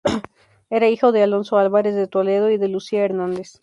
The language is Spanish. Era hijo de Alonso Álvarez de Toledo y de Lucía Hernández.